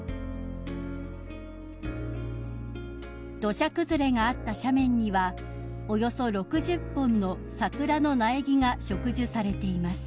［土砂崩れがあった斜面にはおよそ６０本の桜の苗木が植樹されています］